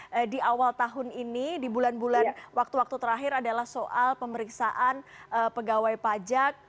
nah di awal tahun ini di bulan bulan waktu waktu terakhir adalah soal pemeriksaan pegawai pajak